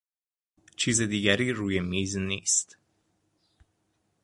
چیز دیگری روی میز نیست.